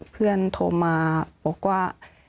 เพื่อนโทรมาบอกว่า